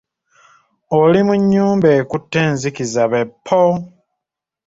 Oli mu nnyumba ekutte enzikiza be ppo!